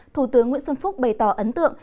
thủ tướng nguyễn xuân phúc bày tỏ ấn tượng